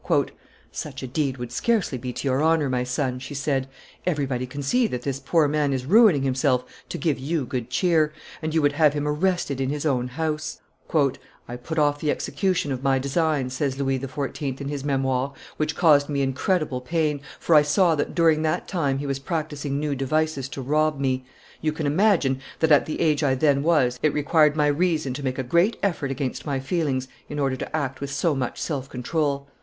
"Such a deed would scarcely be to your honor, my son," she said; "everybody can see that this poor man is ruining himself to give you good cheer, and you would have him arrested in his own house!" [Illustration: Vaux le Vicomte 405a] "I put off the execution of my design," says Louis XIV. in his Memoires, "which caused me incredible pain, for I saw that during that time he was practising new devices to rob me. You can imagine that at the age I then was it required my reason to make a great effort against my feelings in order to act with so much self control.